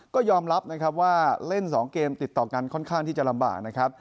ก็ยอมรับนะครับว่าเล่น๒เกมติดต่อกันค่อนข้างที่จะลำบากนะครับ